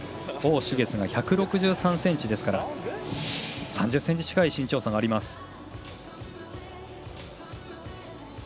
王詩げつが１６３ｃｍですから３０ｃｍ近い身長差があります。